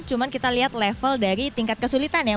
cuma kita lihat level dari tingkat kesulitan ya